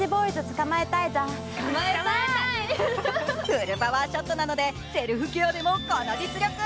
フルパワーショットなのでセルフケアでもこの実力。